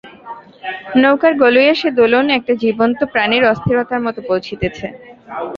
নৌকার গলুইএ সে দোলন একটা জীবন্ত প্রাণের অস্থিরতার মতো পৌঁছিতেছে।